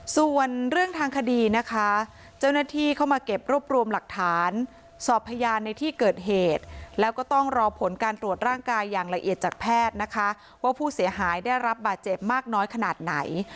ส่วนเรื่องทางคดีนะคะเจ้าหน้าที่เข้ามาเก็บรวบรวมหลักฐานสอบพยานในที่เกิดเหตุแล้วก็ต้องรอผลการตรวจร่างกายอย่างละเอียดจากแพทย์นะคะว่าผู้เสียหายได้รับบาดเจ็บมากน้อยขนาดไหน